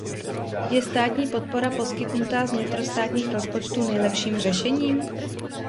Je státní podpora poskytnutá z vnitrostátních rozpočtů nejlepším řešením?